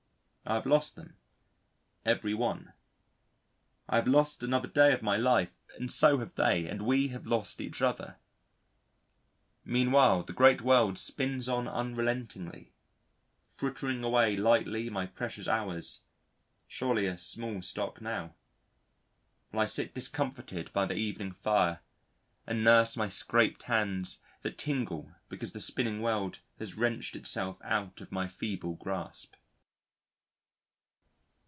I have lost them, every one. I have lost another day of my life and so have they, and we have lost each other. Meanwhile the great world spins on unrelentingly, frittering away lightly my precious hours (surely a small stock now?) while I sit discomfited by the evening fire and nurse my scraped hands that tingle because the spinning world has wrenched itself out of my feeble grasp.